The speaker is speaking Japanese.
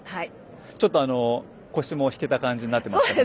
ちょっと腰も引けた感じになってましたけど。